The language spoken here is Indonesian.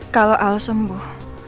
kalau al sembuh